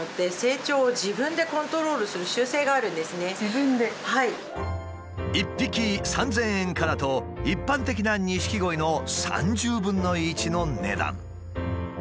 錦鯉は１匹３，０００円からと一般的な錦鯉の３０分の１の値段。